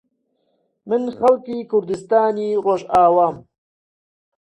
من خەڵکی کوردستانی ڕۆژئاوام